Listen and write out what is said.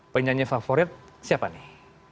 penyanyi favorit siapa nih